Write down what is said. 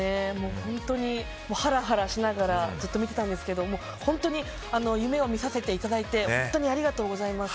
本当にハラハラしながらずっと見てたんですけど本当に夢を見させていただいて本当にありがとうございます。